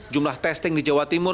jumlah testing di jawa timur